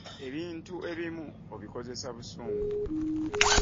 Ebintu ebimu obikoza busungu.